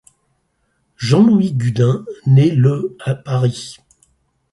Jean-Louis Gudin naît le à Paris.